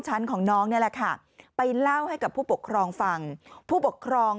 ชั้นของน้องนี่แหละค่ะไปเล่าให้กับผู้ปกครองฟังผู้ปกครอง